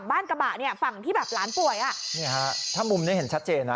กระบะเนี่ยฝั่งที่แบบหลานป่วยอ่ะนี่ฮะถ้ามุมเนี้ยเห็นชัดเจนนะ